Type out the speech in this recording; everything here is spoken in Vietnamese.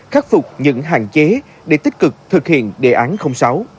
khắc phục những hạn chế để tích cực thực hiện đề án sáu